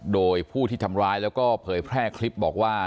โดยผู้ที่ทำร้ายแล้วก็เผยแพร่คลิปบอกว่า